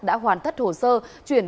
đã hoàn thất hồ sơ chuyển